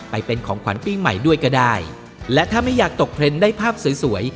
ไปเป็นของขวัญปีใหม่ด้วยก็ได้และถ้าไม่อยากตกเทรนด์ได้ภาพสวยสวย